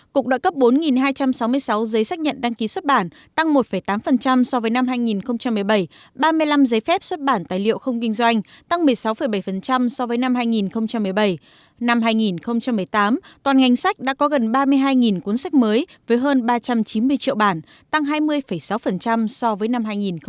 còn ngành sách đã có gần ba mươi hai cuốn sách mới với hơn ba trăm chín mươi triệu bản tăng hai mươi sáu so với năm hai nghìn một mươi bảy